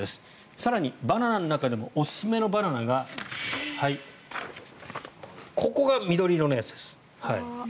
更に、バナナの中でもおすすめのバナナがここが緑色のやつです。